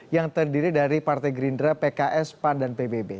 yang terdiri dari partai gerindra pks pan dan pbb